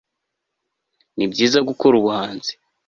Nibyiza gukora ubuhanzi